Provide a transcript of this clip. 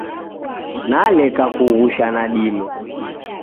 Naleka kughusha nadime